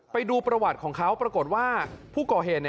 ไปดูประวัติของเขาปรากฏว่าผู้ก่อเหตุ